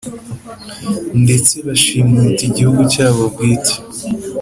Ndetse bashimuta igihugu cyabo bwite